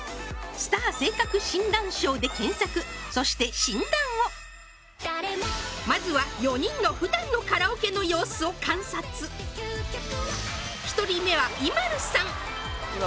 「スター★性格診断ＳＨＯＷ」で検索そして診断をまずは４人の普段のカラオケの様子を観察１人目はＩＭＡＬＵさん